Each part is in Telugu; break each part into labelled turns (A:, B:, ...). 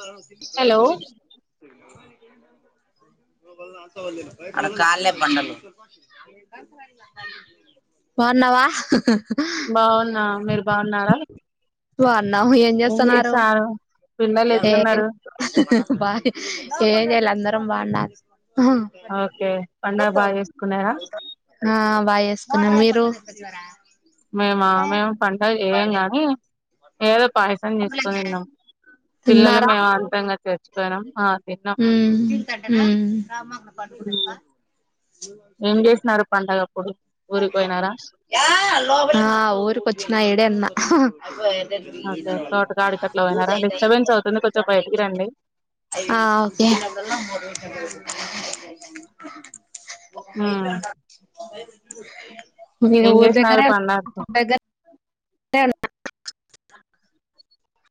A: ఆ ఏం
B: హలో
A: పర్లేదు ఆడకాల్లే బండలు బాగున్నావా
B: బాగున్నా మీరు బాగున్నారా
A: బాగున్నాం ఏం చేస్సన్నారు
B: పిల్లలు
A: ఏం
B: ఎట్లున్నారు
A: బా ఏం చేయల అందరం బాగుండాం
B: ఓకే పండగ బాగ చేసుకున్నారా
A: చేసుకున్నాం మీరు
B: మేమా మేము పండగ చేయము గాని ఏదో పాయసం చేసుకొని తిన్నాం పిల్లలు
A: తిన్నారా
B: మేము అంతా ఇంగా తెచ్చుకున్నాం ఆ తిన్నాం
A: ఉమ్ హుమ్
B: ఏం చేసినారు పండగప్
A: ఆ ఊరుకి వచ్చినా ఈడే ఉన్నా
B: ఓకే తోటకాడికట్లా పోయినారా డిస్టర్బెన్స్ అవుతుంది కొంచెం బయటికి రండి
A: అ ఓకే
B: ఉమ్,
A: మీరు
B: ఏం
A: ఊరు
B: చేసినారు
A: దగ్గరే
B: పండగకు
A: దగ్గర్ [unintelligible]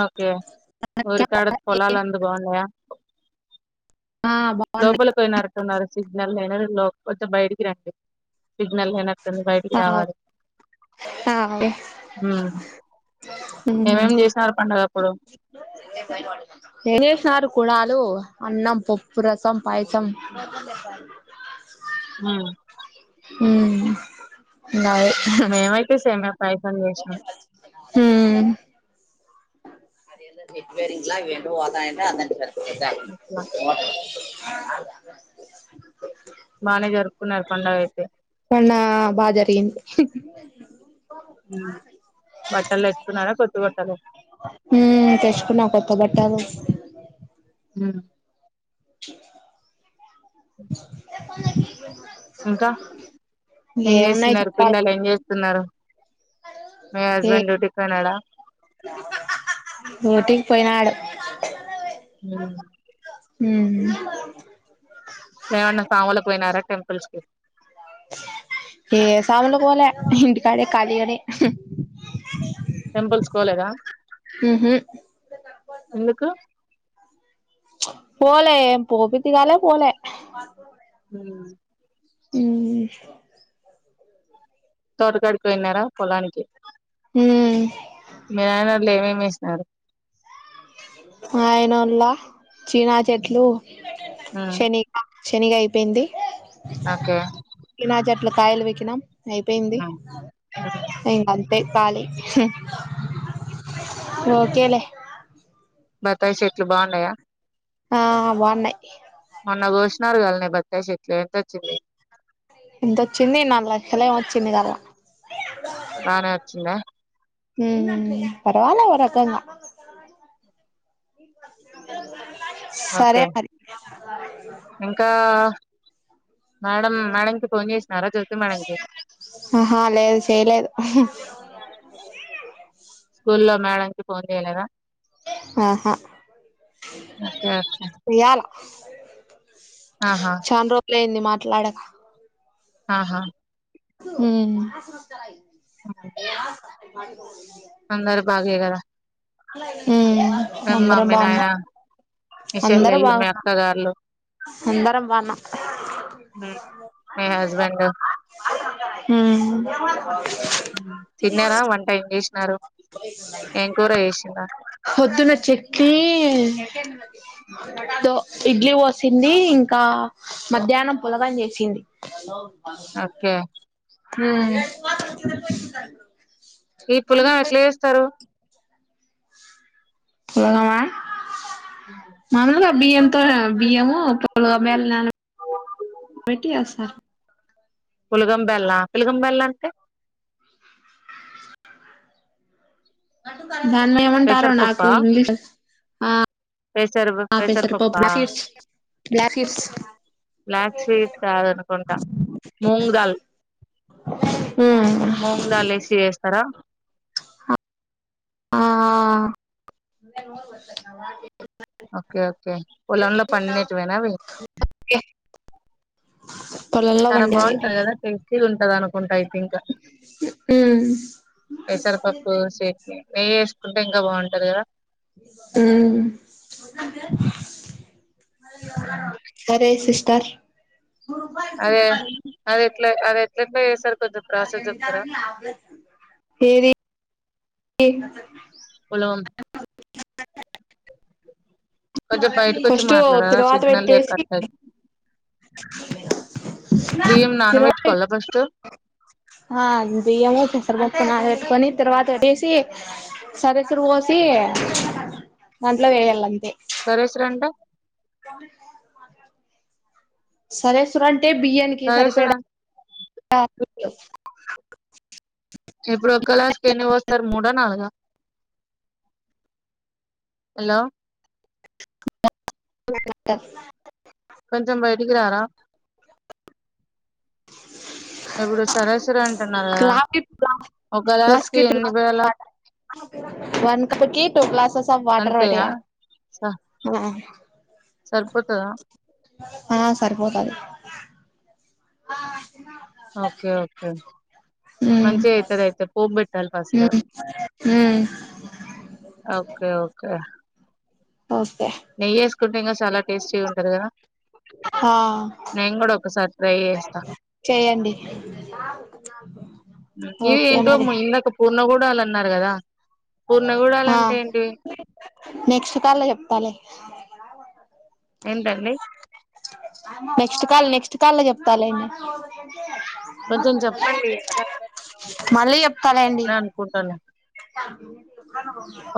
B: ఓకే ఊరి కాడ పొలాలు అంతా బావున్నాయా
A: ఆ బాగున్నాయి
B: లోపలికి పోయినట్టున్నారు సిగ్నల్ లేన [inaudible] కొంచెం బయటికి రండి సిగ్నల్ లేనట్టుంది బయటకి రావాలి
A: హా అండి
B: ఉమ్ ఏమేం చేసినారు పం
A: ఏం జేష్నారు కుడాలు అన్నం పప్పు రసం పాయసం
B: ఊ
A: ఊ నాయి
B: మేమైతే సేమియా పాయసం చేసినాం
A: ఊ
B: అట్లా బానే జరుపుకున్నారు పండగ అయితే
A: మొన్న బా జరిగింది
B: ఊ బట్టలేసుకున్నారా కొత్త బట్టలు
A: ఊ తెచ్చుకున్నాం కొత్త బట్టాలు
B: ఊ ఇంకా ఏం
A: ఏమున్నాయి
B: చేస్తున్నారు
A: చెప్పాలి
B: పిల్లలు ఏం చేస్తున్నారు మీ
A: ఏ
B: హస్బెండ్ డ్యూటీకు వెళ్ళాడా
A: ఊటీకి పోయినాడు
B: ఉమ్
A: హ్మ్
B: ఏమన్నా స్వాములుకు పోయినారా టెంపుల్స్ కి
A: ఏ స్వాములకు పోలే ఇంటికాడే ఖాళీగనే
B: టెంపుల్స్ కు పోలేదా
A: మ్హు
B: ఎందుకు
A: పోలే పోబుద్ది కాలే పోలే
B: ఉమ్
A: మ్మ్
B: తోటకాడికి పోయిన్నారా పొలానికి
A: ఉమ్
B: మీ నాయన వోళ్ళు ఏమేమి వేసినారు
A: మా నాయనోళ్ళ చీనా చెట్లు
B: ఉమ్
A: శెనికా శెనిగ అయిపేంది
B: ఓకే
A: ఇట్ల కాయలు వీకినాం అయిపోయింది
B: ఉమ్
A: ఇంకా అంతే ఖాళీ
B: అహా
A: ఓకేలే
B: బత్తాయి చెట్లు బాగుండయా
A: ఆ బాగున్నాయ్
B: మొన్న కోసినారుగాల్నే బత్తాయి చెట్లు ఎంతొచ్చింది
A: ఇంతొచ్చింది నాలుగు లక్షలేం వచ్చింది కదా
B: బానే వచ్చిందా
A: ఊ ఊ పర్వాలే ఓ రకంగా సరే
B: ఓకే
A: మరి
B: ఇంకా మేడం మేడంకి ఫోన్ చేసినారా జ్యోతి మేడంకి
A: ఆహా లేదు చేయలేదు
B: స్కూల్లో మేడం కి ఫోన్ చేయలేదా
A: ఆహా
B: ఓకే ఓకే
A: చెయ్యాల
B: ఆహా
A: చానా రోజులయ్యింది మాట్లాడక
B: ఆహా
A: ఊ
B: అందరు బాగే కదా
A: ఊ
B: మేమ్
A: అందరం
B: మమ్మీ నాయన
A: బావున్నాం
B: మీ షెల్లెల్లు మీ అక్కగార్లు
A: అందరం బాగున్నాం
B: మీ హస్బెండ్
A: ఊ
B: ఊ తిన్నారా వంట ఏం చేసినారు ఏం కూర చేసి
A: హొద్దున చెక్కి తొ ఇడ్లీ పోసింది ఇంకా మధ్యాహ్నం పొలగం చేసింది
B: ఓకే
A: ఊ
B: ఈ పులగం ఎట్లా చేస్తారు
A: పులగం ఆ బియ్యంతో బియ్యము పలుగా మేల నాన పెట్టి వేస్తా
B: పులగంబెల్ల పులగంబెల్లంటే
A: దానీ ఏమంటారు నాకు
B: పెసరపప్పా
A: ఇంగ్లీష్
B: పెసరు
A: పసరా పప్పు
B: పెసరపప్పా
A: బ్యాక్ సీడ్స్
B: చీ కాదనుకుంట మూంగదాల్ మూంగ దాల్ ఏసి చేస్తారా
A: ఆ
B: ఓకే ఓకే పోలాన్లో పన్నినటువణవి
A: పొలంలో
B: చాలా
A: పండేవి
B: బాగుంటంది కదా టేస్టీ ఉంటది అనుకుంటా అయితే పింకా పసర్ పప్పు సేట్ నెయ్య వేస్ కుంటే ఇంకా బాగుంటాది కదా
A: మ్మ్ సరే సిస్టర్
B: అదే అది ఎట్లో అదే ఎట్లోఎట్లో చేస్తారు కొంచెం ప్రాసెస్ చెప్తారా
A: ఏది
B: ఓలం కొంచెం
A: వాళ్లకి
B: బయటకు వచ్చి
A: ఫస్ట్
B: మాట్లాడారా
A: తిరువాత
B: సిగ్నల్ లేక
A: పెట్టేసి
B: కట్ అయి
A: [inaudible]
B: బియ్యం
A: [unintelligible] తిరువాత్ తిరువాత
B: నానబెట్టుకోవాలా
A: పెటి
B: ఫస్ట్
A: ఆ బియ్యము పెసర పప్పు నానపెట్టుకొని తిరువాత పేట్టేసి సరేసురు పోసి దాంట్లో వెయ్యాల అం
B: సరేసురు అంటే
A: కంప్లీట్ కాని మాట్ల సరేసురు అంటే బియ్యానికి
B: సరే సార్
A: సరిపేడా ఇంట్లో
B: ఇప్పుడు ఒక గ్లాస్కి ఎన్ని పోస్తారు మూడనాలుగా ఆ
A: క [unintelligible] [inaudible]
B: కొంచెం బయటికిరారా ఇప్పుడు సరే సరే అంటున్నారు కదా
A: లాకెట్ లా
B: ఒక గ్లాస్ కి ఎన్ని
A: లస్కిటోలాగా
B: పోయాలా
A: అన్నమాట వన్ కప్పుకి టు గ్లాసెస్ ఆఫ్ వాటర్
B: అంతేనా
A: పెట్టేయ
B: స
A: ఆ
B: సరిపోతదా
A: ఆ సరిపోతాది అ
B: ఓకే ఓకే
A: ఉమ్
B: మంచిగా అయితది అయితే పోపు పెట్టాల్ ఫస్ట్
A: ఉమ్ ఉమ్
B: ఓకే ఓకే
A: ఓకే
B: నెయ్యి ఎసుకుంటే ఇంకా చాలా టేస్టీ ఉంటది కదా
A: ఆ
B: నేను కూడా ఒకసారి ట్రై చేస్తా
A: చేయండి తిన్నయ్యలకు
B: ఇది ఏంటో ఏమోమ్మ ఇందాక పూర్ణ కుడాలు అన్నారుకదా
A: ఆ నెక్స్ట్ కాల్ లో చెప్తాలే
B: ఏంటండీ
A: నెక్స్ట్ కాల్ నెక్స్ట్ కాల్ లో చెప్తాలేండి
B: కొంచెం చెప్పండి ఎందుకంటే
A: మళ్ళీ
B: నేను
A: చెప్తాలే అండి
B: ఇప్పుడే అనుకుంటాను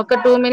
B: ఒక టూ మినిట్స్